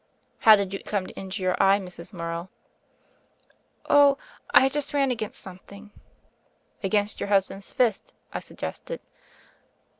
"How did you come to injure your eye, Mrs. Morrow ?" "Oh, I just ran against something." "Against your husband's fist," I suggested.